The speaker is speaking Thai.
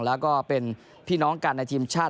แล้วก็เป็นพี่น้องกันในทีมชาติ